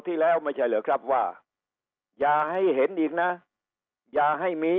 ที่แล้วไม่ใช่เหรอครับว่าอย่าให้เห็นอีกนะอย่าให้มี